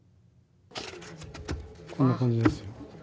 こんな感じですよ。